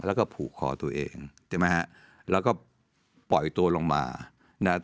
แล้วก็ผูกคอตัวเองใช่ไหมฮะแล้วก็ปล่อยตัวลงมานะฮะ